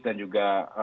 dan juga keadaan